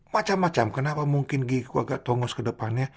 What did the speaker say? macam macam kenapa mungkin giku agak tongos ke depannya